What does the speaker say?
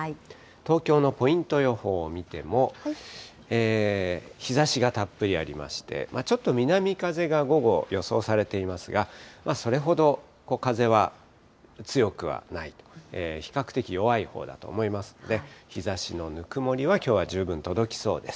東京のポイント予報を見ても、日ざしがたっぷりありまして、ちょっと南風が午後、予想されていますが、それほど風は強くはないと、比較的弱いほうだと思いますので、日ざしのぬくもりは、きょうは十分届きそうです。